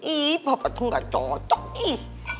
ih bapak tuh gak cocok ih